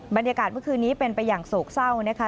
บรรยากาศเมื่อคืนนี้เป็นไปอย่างโศกเศร้านะคะ